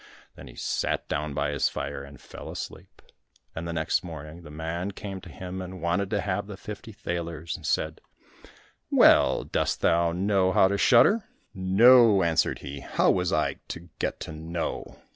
Then he sat down by his fire and fell asleep, and the next morning the man came to him and wanted to have the fifty thalers, and said, "Well, dost thou know how to shudder?" "No," answered he, "how was I to get to know?